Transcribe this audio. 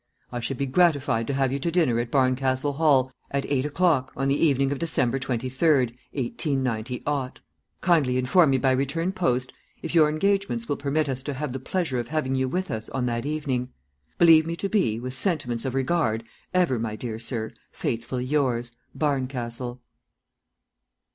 I should be gratified to have you to dinner at Barncastle Hall, at eight o'clock on the evening of December 23rd, 189 . Kindly inform me by return post if your engagements will permit us to have the pleasure of having you with us on that evening. Believe me to be, with sentiments of regard, ever, my dear sir, faithfully yours, BARNCASTLE.'"